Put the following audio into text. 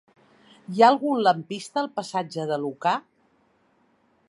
Hi ha algun lampista al passatge de Lucà?